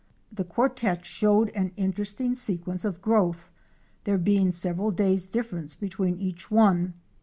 345 The quartet showed an interesting sequence of growth, there being several days' difference between cach one.